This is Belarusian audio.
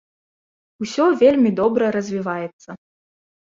Усё вельмі добра развіваецца.